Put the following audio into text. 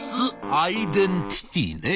「アイデンティティーね。